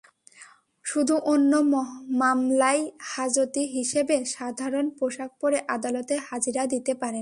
শুধু অন্য মামলায় হাজতি হিসেবে সাধারণ পোশাক পরে আদালতে হাজিরা দিতে পারেন।